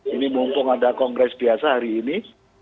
ini mumpung ada kongres biasa hari ini